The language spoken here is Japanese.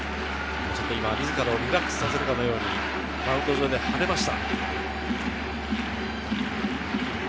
自らをリラックスさせるかのようにマウンド上で跳ねました。